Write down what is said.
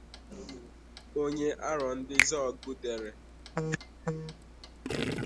onye Arọndịizuọgụ dere